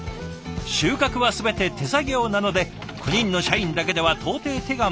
収穫は全て手作業なので９人の社員だけでは到底手が回りません。